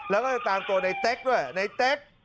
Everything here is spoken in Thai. แล้วก็จะตามตัวในเต็กด้วยในเต็ก